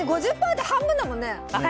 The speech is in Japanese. ５０％、半分だもんね。